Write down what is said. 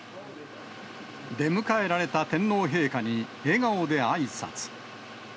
出迎えられた天皇陛下に笑顔であいさつ。